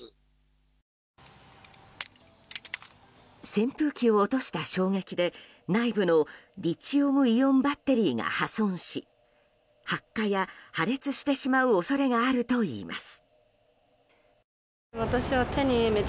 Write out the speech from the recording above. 扇風機を落とした衝撃で内部のリチウムイオンバッテリーが破損し発火や破裂してしまう恐れがあるといいます。